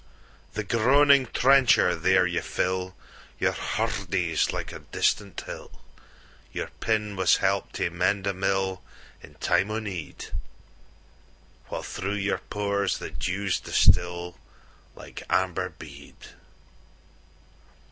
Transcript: The groaning trencher there ye fill, Your hurdies like a distant hill, Your pin was help to mend a millIn time o'need, While thro' your pores the dews distilLike amber bead.